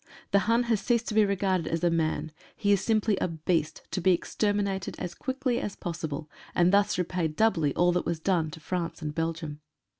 The Hun has ceased to be regarded as a man — he is simply a beast to be exterminated as quickly as possible, and thus repay doubly all that was done to France and Belgium.